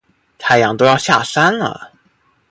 太阳都要下山了